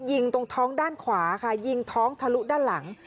ยิงตรงท้องด้านขวาค่ะยิงท้องทะลุด้านหลัง